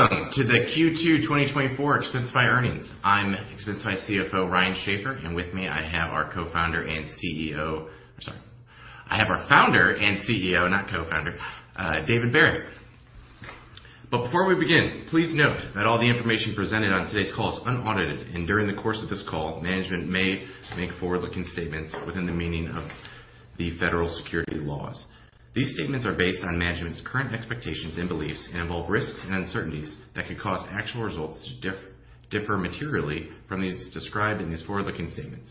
Welcome to the Q2 2024 Expensify Earnings. I'm Expensify CFO, Ryan Schaffer, and with me I have our co-founder and CEO. Sorry, I have our founder and CEO, not co-founder, David Barrett. But before we begin, please note that all the information presented on today's call is unaudited, and during the course of this call, management may make forward-looking statements within the meaning of the federal securities laws. These statements are based on management's current expectations and beliefs, and involve risks and uncertainties that could cause actual results to differ materially from those described in these forward-looking statements.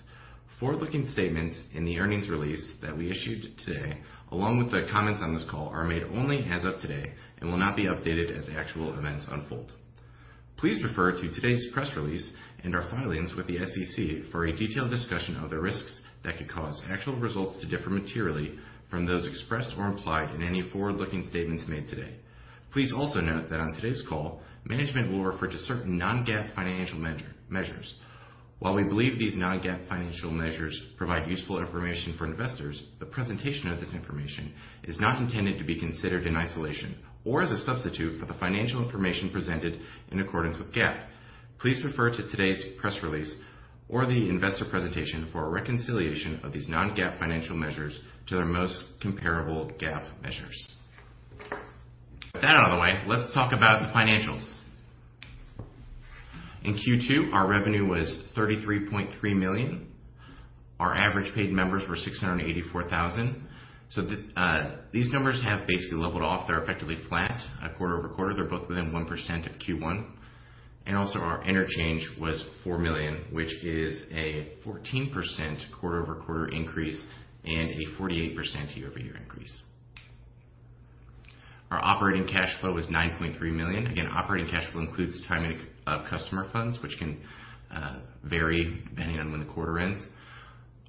Forward-looking statements in the earnings release that we issued today, along with the comments on this call, are made only as of today and will not be updated as actual events unfold. Please refer to today's press release and our filings with the SEC for a detailed discussion of the risks that could cause actual results to differ materially from those expressed or implied in any forward-looking statements made today. Please also note that on today's call, management will refer to certain non-GAAP financial measures. While we believe these non-GAAP financial measures provide useful information for investors, the presentation of this information is not intended to be considered in isolation or as a substitute for the financial information presented in accordance with GAAP. Please refer to today's press release or the investor presentation for a reconciliation of these non-GAAP financial measures to their most comparable GAAP measures. With that out of the way, let's talk about the financials. In Q2, our revenue was $33.3 million. Our average paid members were 684,000. So the, these numbers have basically leveled off. They're effectively flat quarter-over-quarter. They're both within 1% of Q1, and also, our interchange was $4 million, which is a 14% quarter-over-quarter increase and a 48% year-over-year increase. Our operating cash flow was $9.3 million. Again, operating cash flow includes timing of customer funds, which can vary depending on when the quarter ends.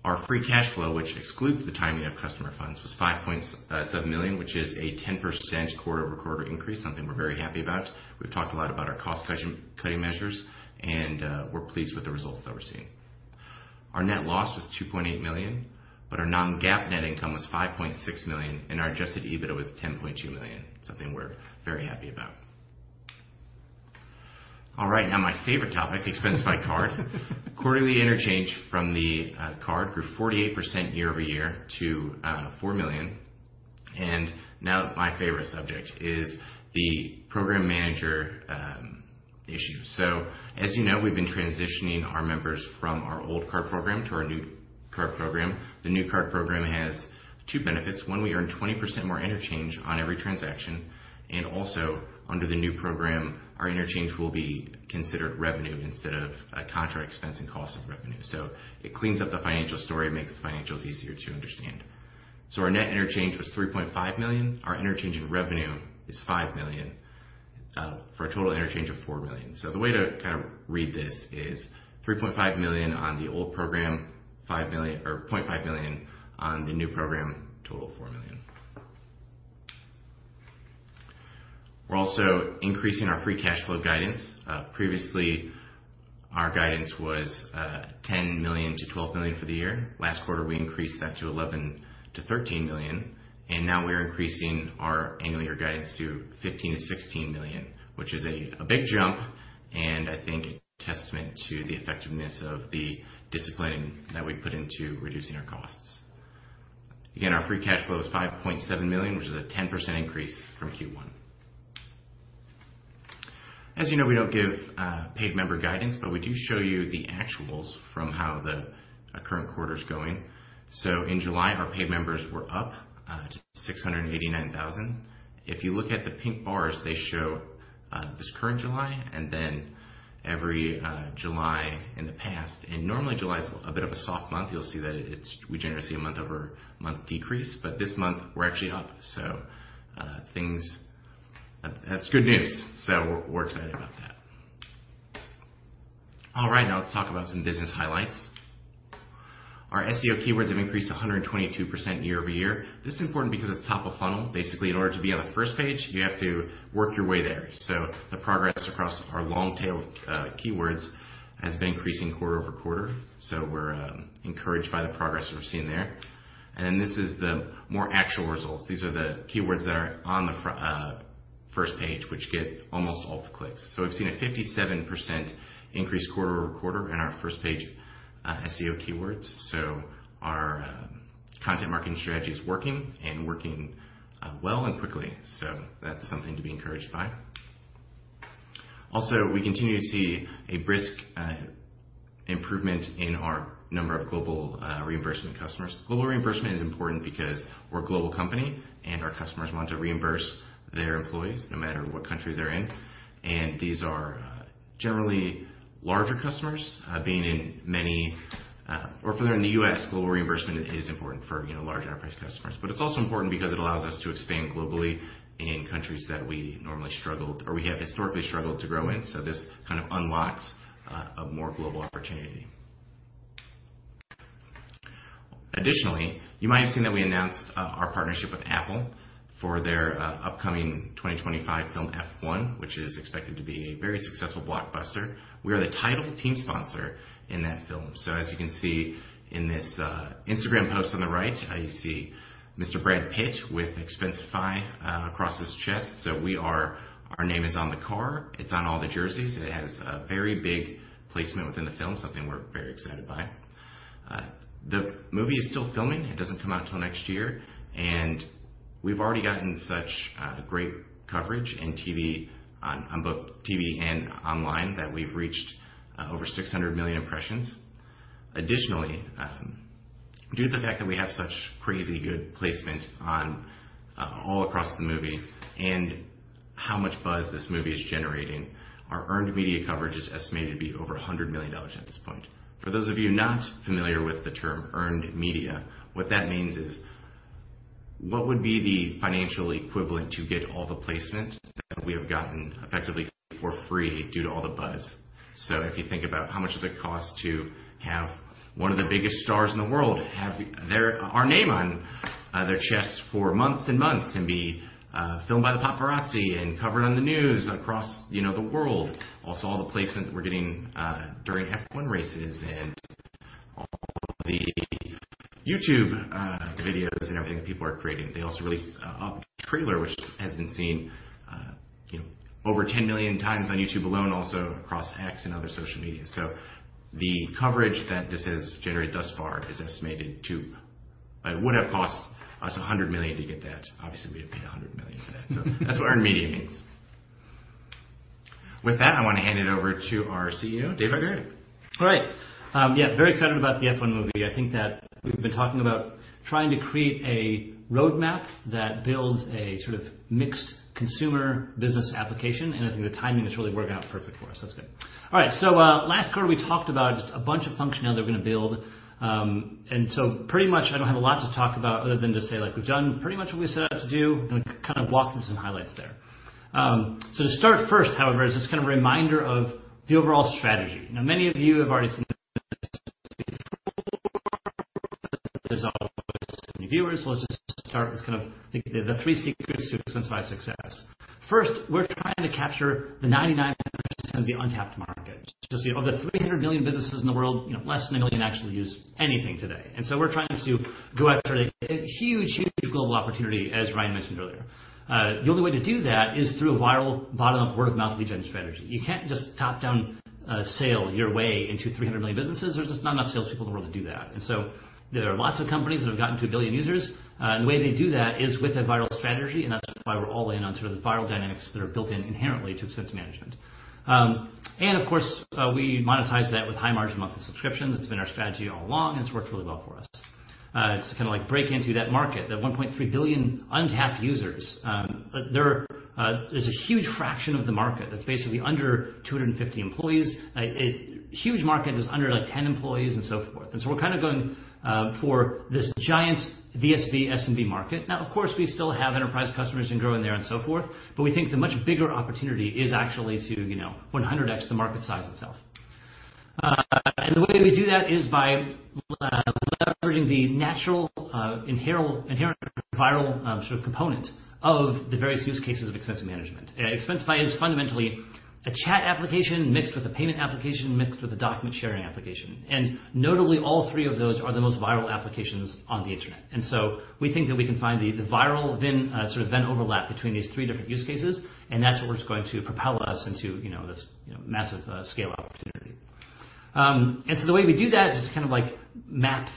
Our free cash flow, which excludes the timing of customer funds, was $5.7 million, which is a 10% quarter-over-quarter increase, something we're very happy about. We've talked a lot about our cost-cutting measures, and we're pleased with the results that we're seeing. Our net loss was $2.8 million, but our non-GAAP net income was $5.6 million, and our Adjusted EBITDA was $10.2 million. Something we're very happy about. All right, now my favorite topic, Expensify Card. Quarterly interchange from the card grew 48% year-over-year to $4 million. And now my favorite subject is the Program Manager issue. So as you know, we've been transitioning our members from our old card program to our new card program. The new card program has two benefits. One, we earn 20% more interchange on every transaction, and also, under the new program, our interchange will be considered revenue instead of a contract expense and cost of revenue. So it cleans up the financial story, makes the financials easier to understand. So our net interchange was $3.5 million. Our interchange in revenue is $5 million for a total interchange of $4 million. So the way to kind of read this is $3.5 million on the old program, $0.5 million on the new program, total $4 million. We're also increasing our free cash flow guidance. Previously, our guidance was $10 million-$12 million for the year. Last quarter, we increased that to $11 million-$13 million, and now we're increasing our annual year guidance to $15 million-$16 million, which is a big jump, and I think a testament to the effectiveness of the discipline that we put into reducing our costs. Again, our free cash flow is $5.7 million, which is a 10% increase from Q1. As you know, we don't give paid member guidance, but we do show you the actuals from how the current quarter is going. So in July, our paid members were up to 689,000. If you look at the pink bars, they show this current July and then every July in the past. And normally July is a bit of a soft month. You'll see that it's. We generally see a month-over-month decrease, but this month we're actually up. So things. That's good news. So we're excited about that. All right, now let's talk about some business highlights. Our SEO keywords have increased 122% year-over-year. This is important because it's top of funnel. Basically, in order to be on the first page, you have to work your way there. So the progress across our long-tail keywords has been increasing quarter-over-quarter. So we're encouraged by the progress that we're seeing there. This is the more actual results. These are the keywords that are on the first page, which get almost all the clicks. We've seen a 57% increase quarter-over-quarter in our first page SEO keywords. Our content marketing strategy is working and working well and quickly. That's something to be encouraged by. Also, we continue to see a brisk improvement in our number of global reimbursement customers. Global reimbursement is important because we're a global company, and our customers want to reimburse their employees no matter what country they're in. These are generally larger customers being in many or if they're in the U.S., global reimbursement is important for, you know, large enterprise customers. But it's also important because it allows us to expand globally in countries that we normally struggled or we have historically struggled to grow in. So this kind of unlocks a more global opportunity. Additionally, you might have seen that we announced our partnership with Apple for their upcoming 2025 film, F1, which is expected to be a very successful blockbuster. We are the title team sponsor in that film. So as you can see in this Instagram post on the right, you see Mr. Brad Pitt with Expensify across his chest. So we are our name is on the car, it's on all the jerseys. It has a very big placement within the film, something we're very excited by. The movie is still filming. It doesn't come out until next year, and we've already gotten such great coverage and TV on both TV and online that we've reached over 600 million impressions. Additionally, due to the fact that we have such crazy good placement on all across the movie and how much buzz this movie is generating, our earned media coverage is estimated to be over $100 million at this point. For those of you not familiar with the term earned media, what that means is what would be the financial equivalent to get all the placement that we have gotten effectively for free due to all the buzz. So if you think about how much does it cost to have one of the biggest stars in the world, have their—our name on, their chest for months and months, and be, filmed by the paparazzi and covered on the news across, you know, the world. Also, all the placement that we're getting, during F1 races and all the YouTube, videos and everything that people are creating. They also released a trailer, which has been seen, you know, over 10 million times on YouTube alone, also across X and other social media. So the coverage that this has generated thus far is estimated to. It would have cost us $100 million to get that. Obviously, we didn't pay $100 million for that. So that's what earned media means. With that, I want to hand it over to our CEO, David Barrett. All right. Yeah, very excited about the F1 movie. I think that we've been talking about trying to create a roadmap that builds a sort of mixed consumer business application, and I think the timing is really working out perfect for us. That's good. All right. So, last quarter, we talked about just a bunch of functionality we're gonna build. And so pretty much, I don't have a lot to talk about, other than just say, like, we've done pretty much what we set out to do, and we kind of walk through some highlights there. So to start first, however, is just kind of a reminder of the overall strategy. Now, many of you have already seen this before. There's always new viewers, so let's just start with kind of the three secrets to Expensify success. First, we're trying to capture the 99% of the untapped market. So, of the 300 million businesses in the world, you know, less than 1 million actually use anything today, and so we're trying to go after a huge, huge global opportunity, as Ryan mentioned earlier. The only way to do that is through a viral, bottom-up, word-of-mouth lead gen strategy. You can't just top-down sale your way into 300 million businesses. There's just not enough salespeople in the world to do that. And so there are lots of companies that have gotten to 1 billion users, and the way they do that is with a viral strategy, and that's why we're all in on sort of the viral dynamics that are built in inherently to expense management. And of course, we monetize that with high margin monthly subscription. That's been our strategy all along, and it's worked really well for us. It's kinda like breaking into that market, that 1.3 billion untapped users. There's a huge fraction of the market that's basically under 250 employees. A huge market is under, like, 10 employees and so forth. And so we're kind of going for this giant VSB, SMB market. Now, of course, we still have enterprise customers and growing there and so forth, but we think the much bigger opportunity is actually to, you know, 100x the market size itself. And the way we do that is by leveraging the natural, inherent viral, sort of component of the various use cases of expense management. Expensify is fundamentally a chat application, mixed with a payment application, mixed with a document sharing application, and notably, all three of those are the most viral applications on the Internet. So we think that we can find the viral, sort of event overlap between these three different use cases, and that's what we're going to propel us into, you know, this, you know, massive, scale opportunity. So the way we do that is just kind of like map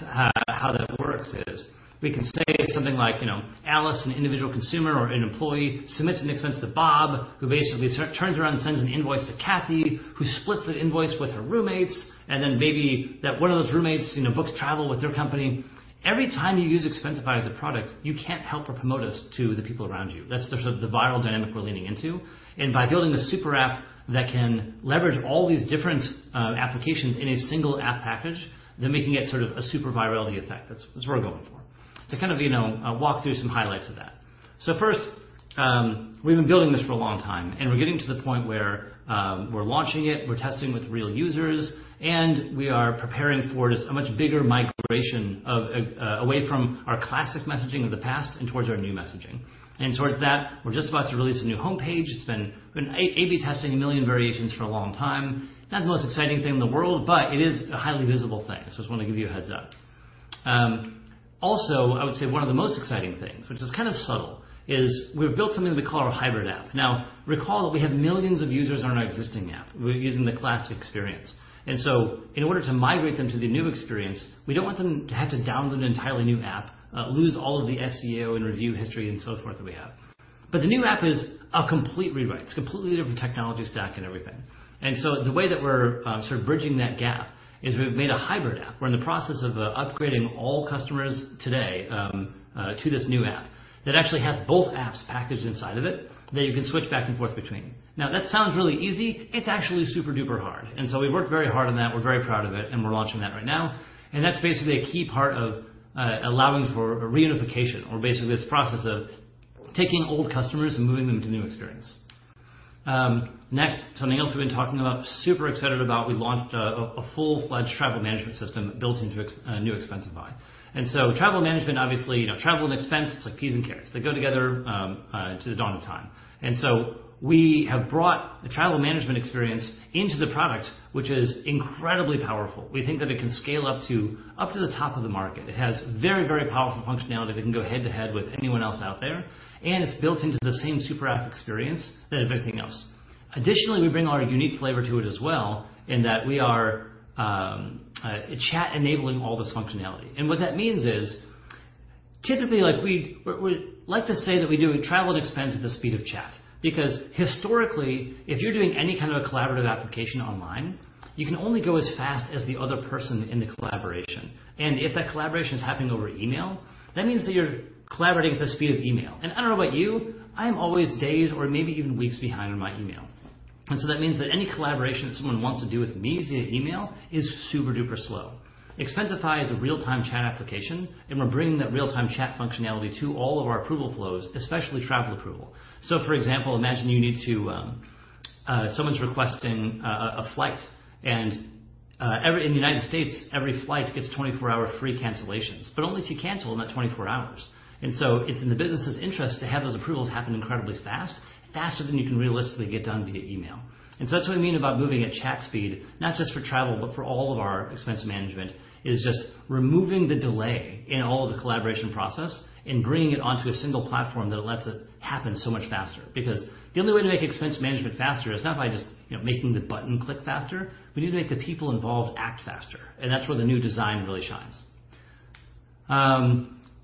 how that works is, we can say something like, you know, Alice, an individual consumer or an employee, submits an expense to Bob, who basically turns around and sends an invoice to Kathy, who splits that invoice with her roommates, and then maybe that one of those roommates, you know, books travel with their company. Every time you use Expensify as a product, you can't help but promote us to the people around you. That's the sort of the viral dynamic we're leaning into. And by building a super app that can leverage all these different applications in a single app package, then we can get sort of a super virality effect. That's, that's what we're going for. To kind of, you know, walk through some highlights of that. So first, we've been building this for a long time, and we're getting to the point where we're launching it, we're testing with real users, and we are preparing for just a much bigger migration away from our classic messaging of the past and towards our new messaging. And towards that, we're just about to release a new homepage. It's been A/B testing 1 million variations for a long time. Not the most exciting thing in the world, but it is a highly visible thing, so just want to give you a heads up. Also, I would say one of the most exciting things, which is kind of subtle, is we've built something we call our hybrid app. Now, recall that we have millions of users on our existing app. We're using the classic experience, and so in order to migrate them to the new experience, we don't want them to have to download an entirely new app, lose all of the SEO and review history and so forth that we have. But the new app is a complete rewrite. It's a completely different technology stack and everything. And so the way that we're sort of bridging that gap is we've made a hybrid app. We're in the process of upgrading all customers today to this new app that actually has both apps packaged inside of it, that you can switch back and forth between. Now, that sounds really easy. It's actually super duper hard, and so we worked very hard on that. We're very proud of it, and we're launching that right now. That's basically a key part of allowing for a reunification or basically this process of taking old customers and moving them to new experience. Next, something else we've been talking about, super excited about, we launched a full-fledged travel management system built into New Expensify. And so travel management, obviously, you know, travel and expense, it's like peas and carrots. They go together to the dawn of time. We have brought the travel management experience into the product, which is incredibly powerful. We think that it can scale up to the top of the market. It has very, very powerful functionality. It can go head-to-head with anyone else out there, and it's built into the same super app experience that everything else. Additionally, we bring our unique flavor to it as well, in that we are chat-enabling all this functionality. What that means is, typically, like, we, we like to say that we do travel and expense at the speed of chat, because historically, if you're doing any kind of a collaborative application online, you can only go as fast as the other person in the collaboration. If that collaboration is happening over email, that means that you're collaborating at the speed of email. I don't know about you, I am always days or maybe even weeks behind on my email. So that means that any collaboration that someone wants to do with me via email is super-duper slow. Expensify is a real-time chat application, and we're bringing that real-time chat functionality to all of our approval flows, especially travel approval. For example, imagine you need to, someone's requesting a flight, and in the United States, every flight gets 24-hour free cancellations, but only if you cancel in that 24 hours. So it's in the business's interest to have those approvals happen incredibly fast, faster than you can realistically get done via email. That's what we mean about moving at chat speed, not just for travel, but for all of our expense management, is just removing the delay in all of the collaboration process and bringing it onto a single platform that lets it happen so much faster. Because the only way to make expense management faster is not by just, you know, making the button click faster. We need to make the people involved act faster, and that's where the new design really shines.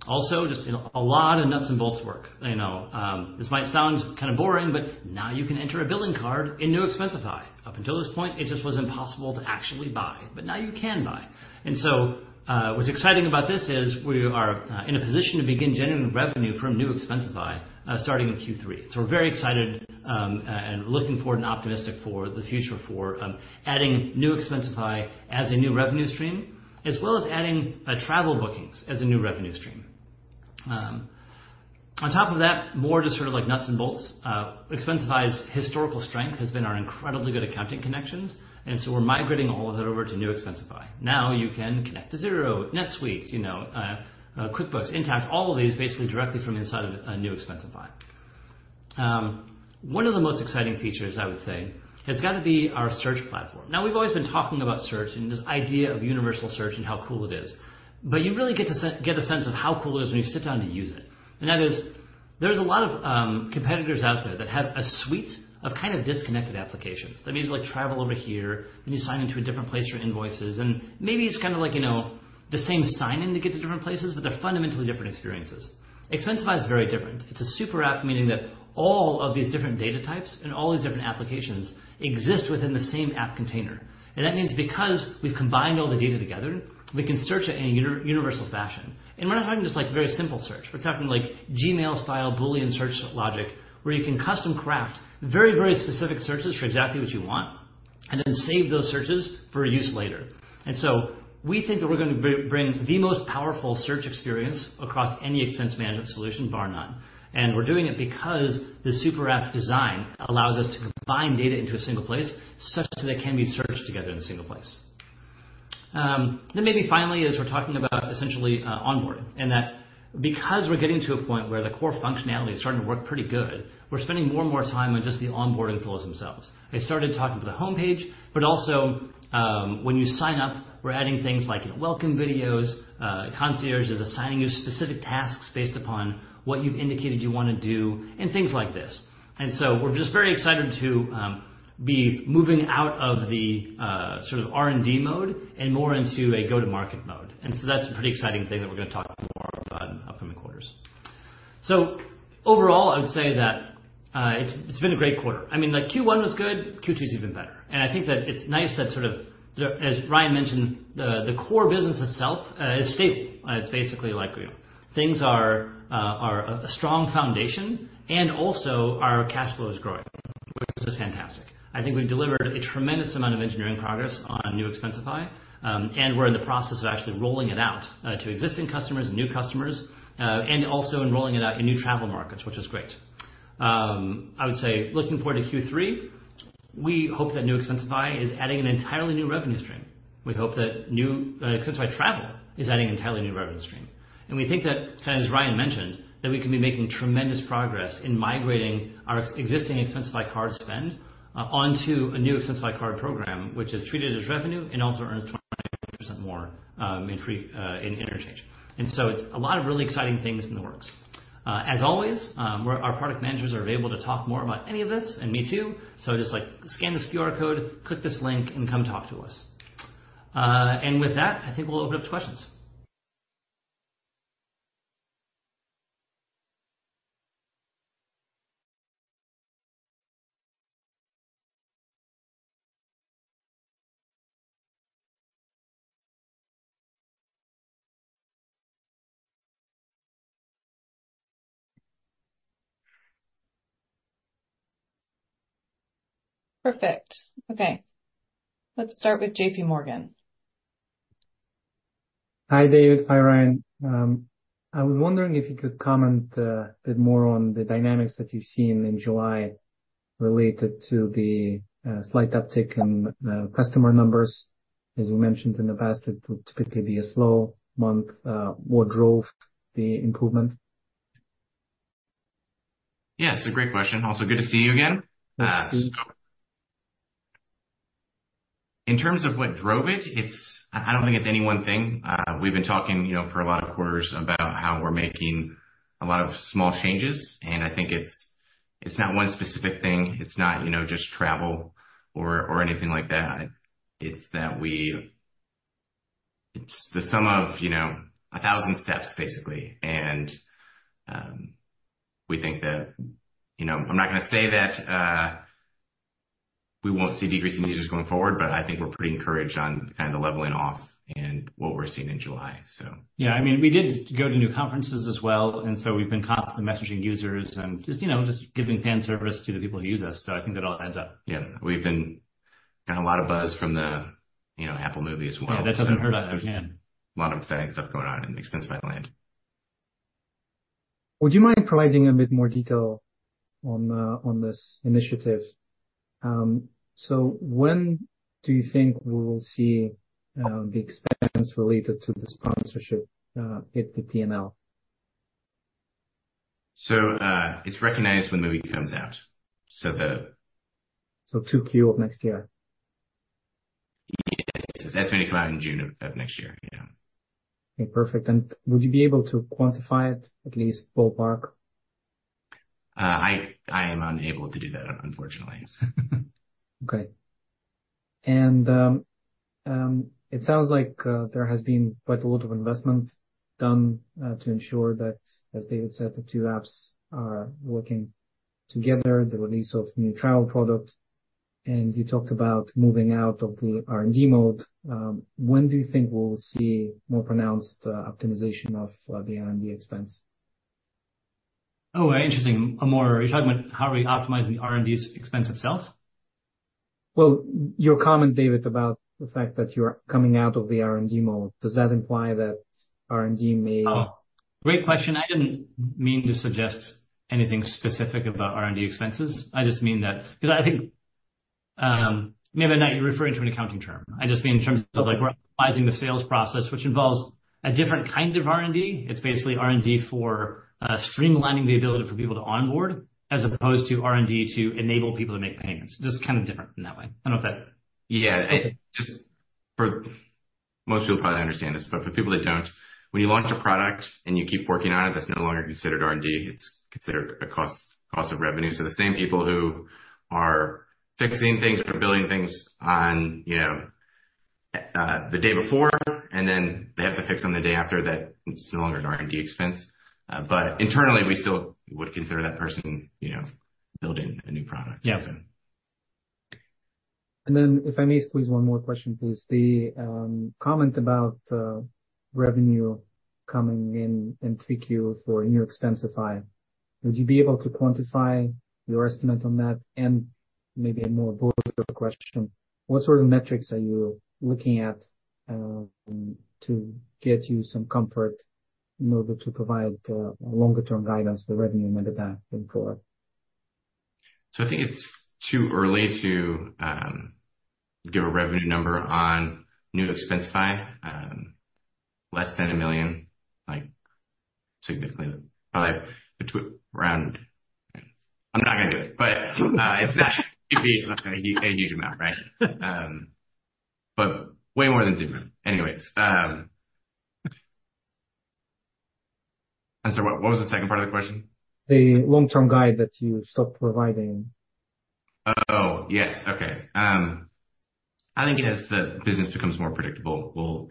Also, just, you know, a lot of nuts and bolts work. I know, this might sound kind of boring, but now you can enter a billing card in New Expensify. Up until this point, it just was impossible to actually buy, but now you can buy. And so, what's exciting about this is we are in a position to begin generating revenue from New Expensify, starting in Q3. So we're very excited, and looking forward and optimistic for the future for adding New Expensify as a new revenue stream, as well as adding travel bookings as a new revenue stream. On top of that, more just sort of like nuts and bolts, Expensify's historical strength has been our incredibly good accounting connections, and so we're migrating all of it over to New Expensify. Now, you can connect to Xero, NetSuite, you know, QuickBooks, Intacct, all of these basically directly from inside of New Expensify. One of the most exciting features, I would say, has got to be our search platform. Now, we've always been talking about search and this idea of universal search and how cool it is, but you really get to get a sense of how cool it is when you sit down and use it. And that is, there's a lot of competitors out there that have a suite of kind of disconnected applications. That means, like, travel over here, then you sign into a different place for invoices, and maybe it's kind of like, you know, the same sign-in to get to different places, but they're fundamentally different experiences. Expensify is very different. It's a super app, meaning that all of these different data types and all these different applications exist within the same app container. And that means because we've combined all the data together, we can search it in a universal fashion. And we're not having just, like, very simple search. We're talking like Gmail-style Boolean search logic, where you can custom craft very, very specific searches for exactly what you want, and then save those searches for use later. And so we think that we're gonna bring the most powerful search experience across any expense management solution, bar none. And we're doing it because the super app design allows us to combine data into a single place, such that it can be searched together in a single place. Then maybe finally, as we're talking about essentially onboarding, and that because we're getting to a point where the core functionality is starting to work pretty good, we're spending more and more time on just the onboarding flows themselves. I started talking to the homepage, but also, when you sign up, we're adding things like welcome videos, concierges assigning you specific tasks based upon what you've indicated you wanna do, and things like this. And so we're just very excited to be moving out of the sort of R&D mode and more into a go-to-market mode. And so that's a pretty exciting thing that we're gonna talk more about in upcoming quarters. So overall, I would say that it's been a great quarter. I mean, like Q1 was good, Q2 is even better. And I think that it's nice that sort of, as Ryan mentioned, the core business itself is stable. It's basically like, you know, things are a strong foundation, and also our cash flow is growing, which is fantastic. I think we've delivered a tremendous amount of engineering progress on New Expensify, and we're in the process of actually rolling it out to existing customers, new customers, and also rolling it out in new travel markets, which is great. I would say, looking forward to Q3, we hope that New Expensify is adding an entirely new revenue stream. We hope that new Expensify Travel is adding an entirely new revenue stream. And we think that, as Ryan mentioned, that we can be making tremendous progress in migrating our existing Expensify Card spend onto a new Expensify Card program, which is treated as revenue and also earns 25% more in interchange. And so it's a lot of really exciting things in the works. As always, our product managers are available to talk more about any of this, and me too. Just like, scan this QR code, click this link, and come talk to us. With that, I think we'll open up to questions. Perfect. Okay, let's start with JPMorgan. Hi, David. Hi, Ryan. I was wondering if you could comment a bit more on the dynamics that you've seen in July related to the slight uptick in the customer numbers. As you mentioned in the past, it would typically be a slow month. What drove the improvement? Yeah, it's a great question. Also, good to see you again. So in terms of what drove it, it's. I don't think it's any one thing. We've been talking, you know, for a lot of quarters about how we're making a lot of small changes, and I think it's not one specific thing. It's not, you know, just travel or anything like that. It's that we. It's the sum of, you know, a thousand steps, basically. And we think that, you know, I'm not going to say that we won't see decreasing users going forward, but I think we're pretty encouraged on kind of the leveling off in what we're seeing in July, so. Yeah, I mean, we did go to new conferences as well, and so we've been constantly messaging users and just, you know, just giving fan service to the people who use us, so I think it all adds up. Yeah. We've been getting a lot of buzz from the, you know, Apple movie as well. Yeah, that doesn't hurt either again. A lot of exciting stuff going on in Expensify Land. Would you mind providing a bit more detail on this initiative? So when do you think we will see the expense related to the sponsorship hit the P&L? So, it's recognized when the movie comes out, so the- So 2Q of next year? Yes. That's going to come out in June of next year. Yeah. Okay, perfect. Would you be able to quantify it, at least ballpark? I am unable to do that, unfortunately. Okay. And, it sounds like, there has been quite a lot of investment done, to ensure that, as David said, the two apps are working together, the release of new travel product, and you talked about moving out of the R&D mode. When do you think we'll see more pronounced, optimization of, the R&D expense? Oh, interesting, Amor, are you talking about how are we optimizing the R&D's expense itself? Well, your comment, David, about the fact that you are coming out of the R&D mode, does that imply that R&D may? Oh, great question. I didn't mean to suggest anything specific about R&D expenses. I just mean that... Because I think, maybe I know you're referring to an accounting term. I just mean in terms of, like, we're optimizing the sales process, which involves a different kind of R&D. It's basically R&D for, streamlining the ability for people to onboard, as opposed to R&D to enable people to make payments. Just kind of different in that way. I don't know if that. Yeah. Just for most people probably understand this, but for people that don't, when you launch a product and you keep working on it, that's no longer considered R&D, it's considered a cost, cost of revenue. So the same people who are fixing things or building things on, you know, the day before, and then they have to fix on the day after, that it's no longer an R&D expense. But internally, we still would consider that person, you know, building a new product. Yeah. If I may squeeze one more question, please. The comment about revenue coming in in 3Q for New Expensify, would you be able to quantify your estimate on that? And maybe a more broader question, what sort of metrics are you looking at to get you some comfort in order to provide longer-term guidance for revenue and other than before? So I think it's too early to give a revenue number on New Expensify. Less than $1 million, like, significantly, probably between around... I'm not going to do it, but, it's not going to be a huge amount, right? But way more than significant. Anyways, and so what was the second part of the question? The long-term guide that you stopped providing. Oh, yes. Okay. I think as the business becomes more predictable, we'll.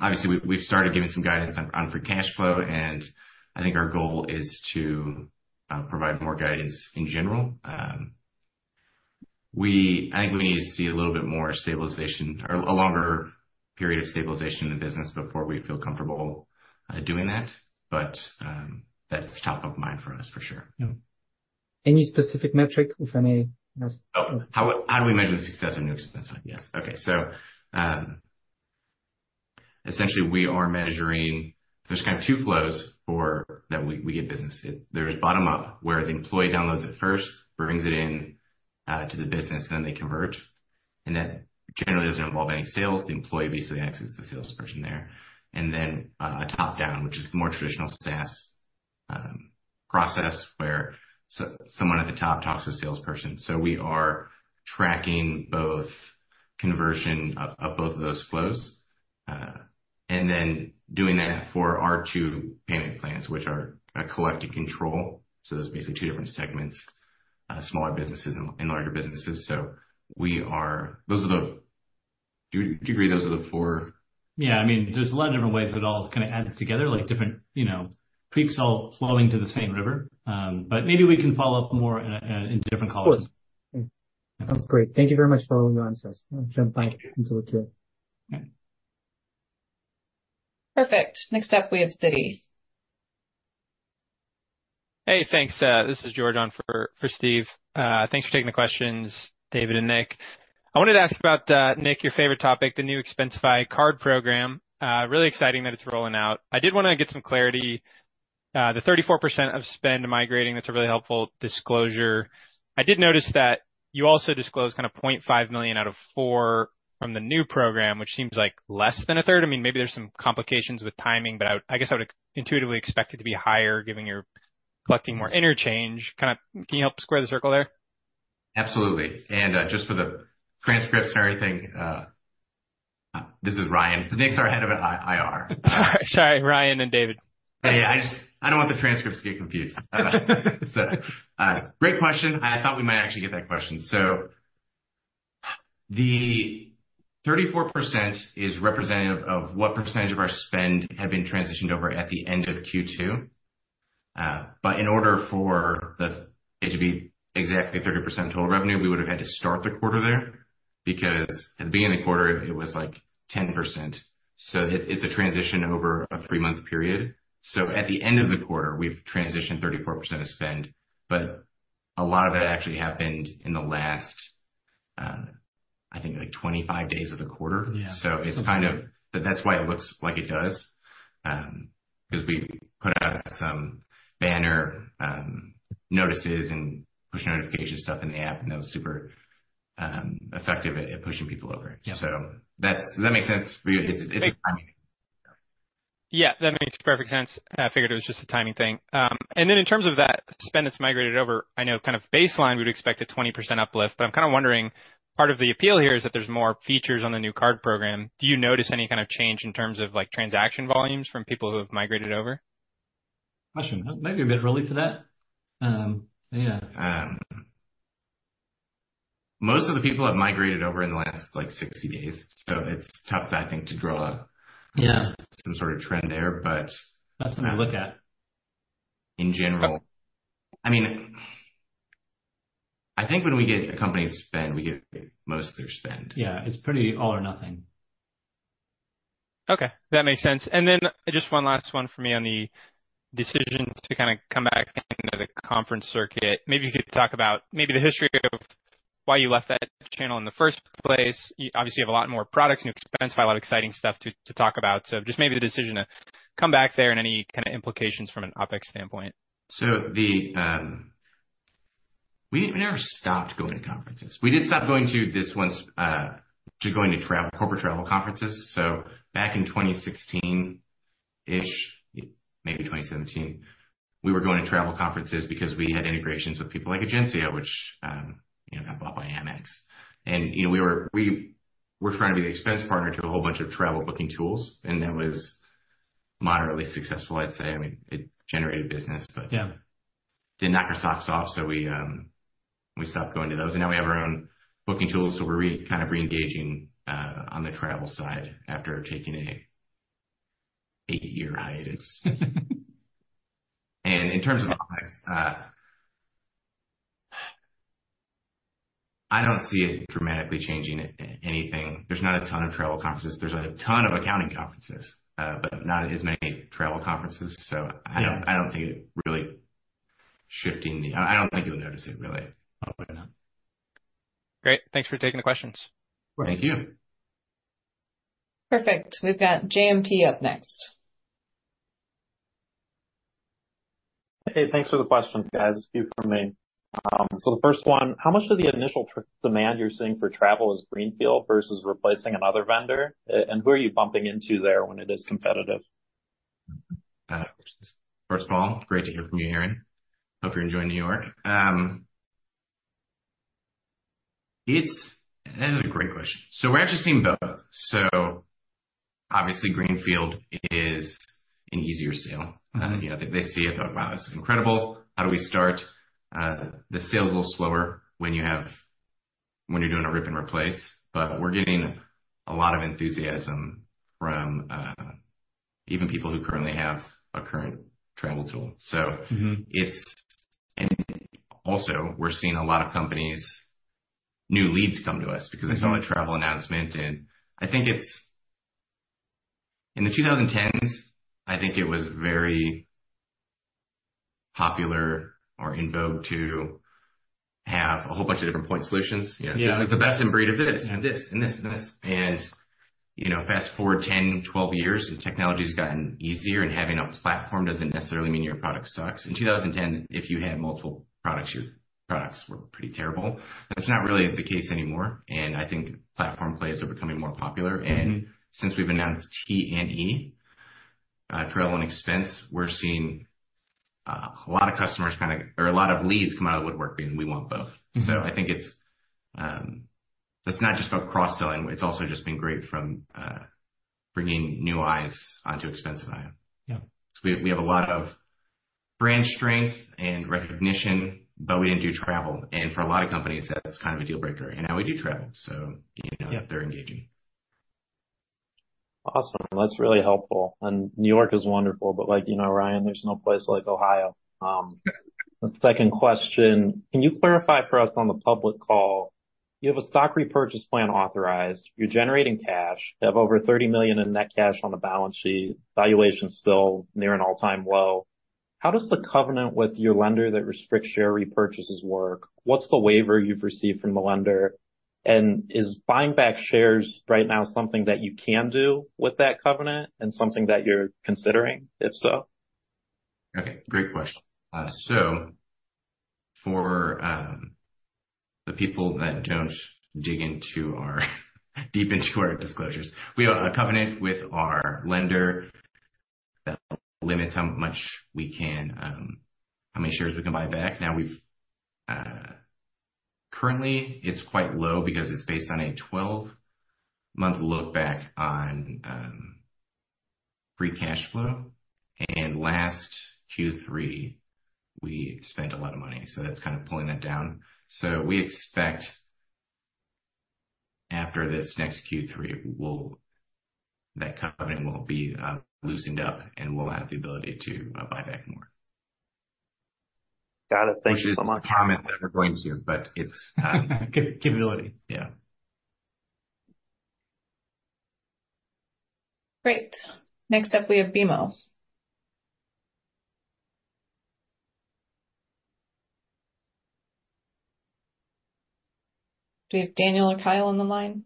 Obviously, we've started giving some guidance on Free Cash Flow, and I think our goal is to provide more guidance in general. I think we need to see a little bit more stabilization or a longer period of stabilization in the business before we feel comfortable doing that, but that's top of mind for us, for sure. Yeah. Any specific metric, if any? Oh, how do we measure the success of New Expensify? Yes. Okay. So, essentially, we are measuring. There's kind of two flows for that we get business. There is bottom-up, where the employee downloads it first, brings it in to the business, then they convert, and that generally doesn't involve any sales. The employee basically acts as the salesperson there. And then, a top-down, which is more traditional SaaS process, where someone at the top talks to a salesperson. So we are tracking both conversion of both of those flows, and then doing that for our two payment plans, which are Collect and Control. So there's basically two different segments, smaller businesses and larger businesses. So we are. Those are the, do you agree those are the four? Yeah. I mean, there's a lot of different ways it all kind of adds together, like different, you know, creeks all flowing to the same river. But maybe we can follow up more in different calls. Sure. Sounds great. Thank you very much for following on this. So bye. Until today. Perfect. Next up, we have Citi. Hey, thanks. This is George on for Steve. Thanks for taking the questions, David and Nick. I wanted to ask about Nick, your favorite topic, the new Expensify card program. Really exciting that it's rolling out. I did want to get some clarity. The 34% of spend migrating, that's a really helpful disclosure. I did notice that you also disclosed kind of $0.5 million out of $4 million from the new program, which seems like less than a third. I mean, maybe there's some complications with timing, but I guess I would intuitively expect it to be higher, given you're collecting more interchange. Kind of, can you help square the circle there? Absolutely. Just for the transcripts and everything, this is Ryan. Nick's our head of IR. Sorry, Ryan and David. Yeah, I just. I don't want the transcripts to get confused. So, great question. I thought we might actually get that question. So the 34% is representative of what percentage of our spend had been transitioned over at the end of Q2. But in order for it to be exactly 30% total revenue, we would have had to start the quarter there, because at the beginning of the quarter, it was like 10%. So it, it's a transition over a 3-month period. So at the end of the quarter, we've transitioned 34% of spend, but a lot of that actually happened in the last, I think, like 25 days of the quarter. Yeah. But that's why it looks like it does, 'cause we put out some banner notices and push notification stuff in the app, and that was super effective at pushing people over. Yeah. So that's. Does that make sense for you? It's a timing. Yeah, that makes perfect sense. I figured it was just a timing thing. And then in terms of that spend that's migrated over, I know kind of baseline, we'd expect a 20% uplift, but I'm kind of wondering, part of the appeal here is that there's more features on the new card program. Do you notice any kind of change in terms of, like, transaction volumes from people who have migrated over? I shouldn't know. Maybe a bit early for that? Yeah. Most of the people have migrated over in the last, like, 60 days, so it's tough, I think, to draw. Yeah Some sort of trend there, but. That's when I look at. In general, I mean, I think when we get a company's spend, we get most of their spend. Yeah. It's pretty all or nothing. Okay, that makes sense. And then just one last one for me on the decision to kind of come back to the conference circuit. Maybe you could talk about maybe the history of why you left that channel in the first place. Obviously, you have a lot more products, New Expensify, a lot of exciting stuff to talk about. So just maybe the decision to come back there and any kind of implications from an OpEx standpoint? We never stopped going to conferences. We did stop going to corporate travel conferences once. So back in 2016-ish, maybe 2017, we were going to travel conferences because we had integrations with people like Egencia, which, you know, got bought by Amex. And, you know, we were trying to be the expense partner to a whole bunch of travel booking tools, and that was moderately successful, I'd say. I mean, it generated business, but. Yeah Didn't knock our socks off, so we stopped going to those, and now we have our own booking tools, so we're kind of reengaging on the travel side after taking an 8-year hiatus. And in terms of OpEx, I don't see it dramatically changing anything. There's not a ton of travel conferences. There's a ton of accounting conferences, but not as many travel conferences, so. Yeah I don't think it really shifting the, I don't think you'll notice it really. No, why not? Great. Thanks for taking the questions. Thank you. Perfect. We've got JMP up next. Hey, thanks for the questions, guys. It's Hugh Cunningham. So the first one, how much of the initial travel demand you're seeing for travel is greenfield versus replacing another vendor? And who are you bumping into there when it is competitive? First of all, great to hear from you, Aaron. Hope you're enjoying New York. That is a great question. So we're actually seeing both. So obviously, greenfield is an easier sale. Mm-hmm. You know, they see it, oh, wow, this is incredible. How do we start? The sales a little slower when you're doing a rip and replace, but we're getting a lot of enthusiasm from even people who currently have a current travel tool. Mm-hmm. And also, we're seeing a lot of companies, new leads come to us. Mm-hmm... because they saw a travel announcement, and I think it's. In the 2010s, I think it was very popular or in vogue to have a whole bunch of different point solutions. Yeah. This is the best in breed of this and this and this and this. And, you know, fast-forward 10, 12 years, the technology's gotten easier, and having a platform doesn't necessarily mean your product sucks. In 2010, if you had multiple products, your products were pretty terrible. That's not really the case anymore, and I think platform plays are becoming more popular. Mm-hmm. Since we've announced T&E, travel and expense, we're seeing a lot of customers kind of, or a lot of leads come out of the woodwork being we want both. Mm-hmm. So I think it's not just about cross-selling, it's also just been great from bringing new eyes onto Expensify. Yeah. We have a lot of brand strength and recognition, but we didn't do travel. For a lot of companies, that's kind of a deal breaker, and now we do travel, so, you know. Yep They're engaging. Awesome. That's really helpful. And New York is wonderful, but like, you know, Ryan, there's no place like Ohio. The second question, can you clarify for us on the public call? You have a stock repurchase plan authorized. You're generating cash. You have over $30 million in net cash on the balance sheet. Valuation is still near an all-time low. How does the covenant with your lender that restricts share repurchases work? What's the waiver you've received from the lender? And is buying back shares right now something that you can do with that covenant and something that you're considering, if so? Okay, great question. So for the people that don't dig deep into our disclosures, we have a covenant with our lender that limits how much we can, how many shares we can buy back. Now, currently it's quite low because it's based on a 12-month look back on free cash flow. And last Q3, we spent a lot of money, so that's kind of pulling that down. So we expect after this next Q3, that covenant will be loosened up, and we'll have the ability to buy back more. Got it. Thank you so much. Which is a comment that we're going to, but it's, Give, give it away. Yeah. Great. Next up, we have BMO. Do we have Daniel or Kyle on the line?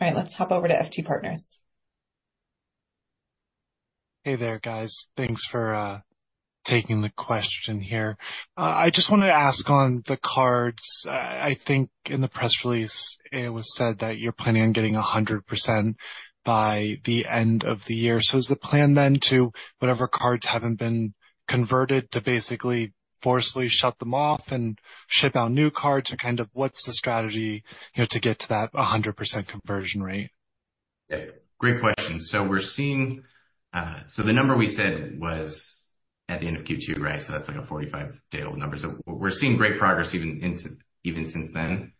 All right, let's hop over to FT Partners. Hey there, guys. Thanks for taking the question here. I just wanted to ask on the cards. I think in the press release, it was said that you're planning on getting 100% by the end of the year. So is the plan then to whatever cards haven't been converted to basically forcefully shut them off and ship out new cards? Or kind of what's the strategy, you know, to get to that 100% conversion rate? Yeah, great question. So we're seeing... So the number we said was at the end of Q2, right? So that's like a 45-day-old number. So we're seeing great progress, even since then.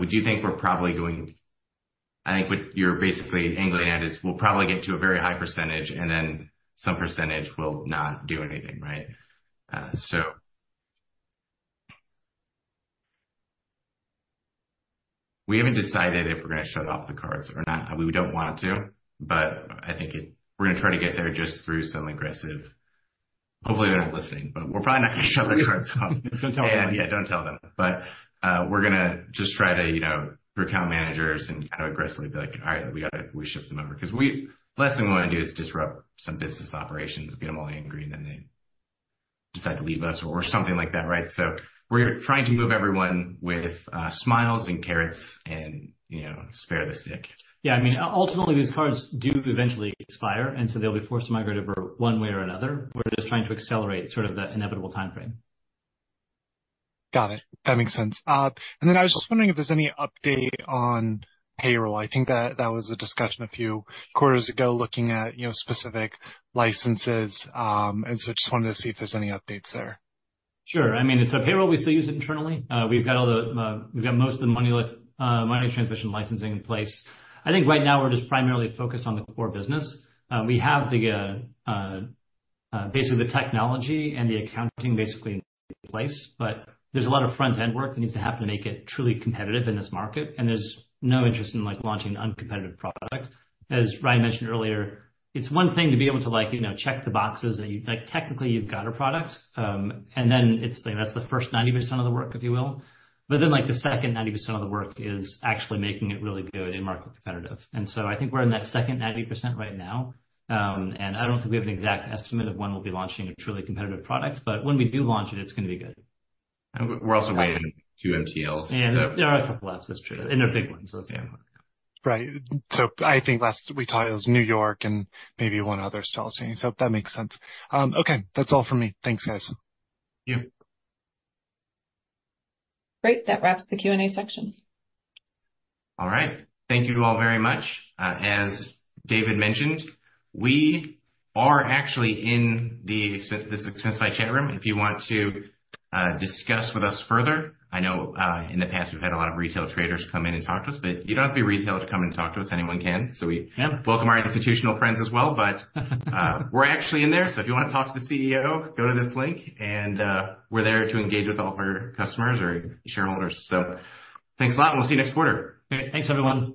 We do think we're probably going... I think what you're basically angling at is we'll probably get to a very high percentage, and then some percentage will not do anything, right? So we haven't decided if we're gonna shut off the cards or not. We don't want to, but I think it— we're gonna try to get there just through some aggressive... Hopefully, they're not listening, but we're probably not going to shut their cards off. Don't tell them. Yeah, don't tell them. But we're gonna just try to, you know, through account managers and kind of aggressively be like, "All right, we gotta ship them over." 'Cause the last thing we want to do is disrupt some business operations, get them all angry, and then they decide to leave us or something like that, right? So we're trying to move everyone with smiles and carrots and, you know, spare the stick. Yeah, I mean, ultimately, these cards do eventually expire, and so they'll be forced to migrate over one way or another. We're just trying to accelerate sort of the inevitable timeframe. Got it. That makes sense. And then I was just wondering if there's any update on payroll. I think that that was a discussion a few quarters ago, looking at, you know, specific licenses. And so I just wanted to see if there's any updates there. Sure. I mean, so payroll, we still use it internally. We've got most of the money transmission licensing in place. I think right now, we're just primarily focused on the core business. We have basically the technology and the accounting basically in place, but there's a lot of front-end work that needs to happen to make it truly competitive in this market, and there's no interest in, like, launching an uncompetitive product. As Ryan mentioned earlier, it's one thing to be able to, like, you know, check the boxes, that you, like, technically, you've got a product, and then it's, like, that's the first 90% of the work, if you will. But then, like, the second 90% of the work is actually making it really good and market competitive. I think we're in that second 90% right now. And I don't think we have an exact estimate of when we'll be launching a truly competitive product, but when we do launch it, it's gonna be good. And we're also waiting two MTLs. Yeah, there are a couple left. That's true, and they're big ones, so yeah. Right. So I think last we talked, it was New York and maybe one other still staying, so that makes sense. Okay, that's all for me. Thanks, guys. Thank you. Great. That wraps the Q&A section. All right. Thank you to all very much. As David mentioned, we are actually in the Expensify Live chat room if you want to discuss with us further. I know, in the past, we've had a lot of retail traders come in and talk to us, but you don't have to be retail to come in and talk to us. Anyone can. Yeah. So we welcome our institutional friends as well, but, we're actually in there, so if you want to talk to the CEO, go to this link, and, we're there to engage with all of our customers or shareholders. So thanks a lot, and we'll see you next quarter. All right, thanks, everyone.